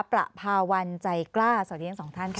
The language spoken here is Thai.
ประพาวันใจกล้าสวัสดีทั้งสองท่านค่ะ